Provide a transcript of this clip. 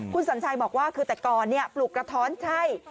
คุณสัญชัยบอกว่าคือแต่ก่อนปลูกกระท้อนใช่